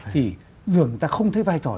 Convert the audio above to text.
thì dường người ta không thấy vai trò